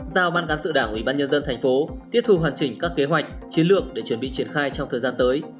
giao ban cán sự đảng ubnd tp hcm tiết thu hoàn chỉnh các kế hoạch chiến lược để chuẩn bị triển khai trong thời gian tới